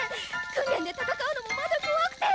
訓練で戦うのもまだこわくて！